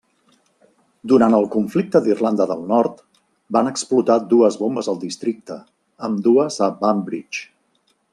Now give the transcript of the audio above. Durant el conflicte d'Irlanda del Nord van explotar dues bombes al districte, ambdues a Banbridge.